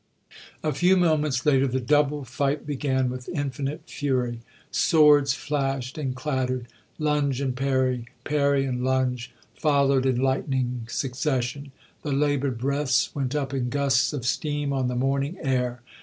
A few moments later the double fight began with infinite fury. Swords flashed and clattered; lunge and parry, parry and lunge followed in lightning succession; the laboured breaths went up in gusts of steam on the morning air.